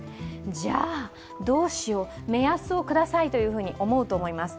じゃあ、どうしよう目安をくださいと思うと思います。